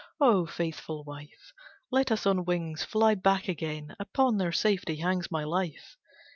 O faithful wife Let us on wings fly back again, Upon their safety hangs my life!"